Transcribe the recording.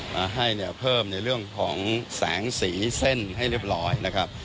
มาให้เนี่ยเพิ่มในเรื่องของแสงสีเส้นให้เรียบร้อยนะครับ